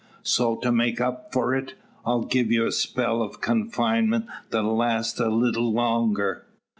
So to make up for't I'll give you a spell o' confinement that'll last a leetle longer.